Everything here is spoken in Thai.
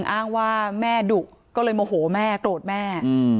อ้างว่าแม่ดุก็เลยโมโหแม่โกรธแม่